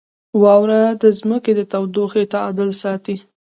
• واوره د ځمکې د تودوخې تعادل ساتي.